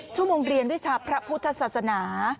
ชั่วโมงเรียนวิชาพระพุทธศาสนา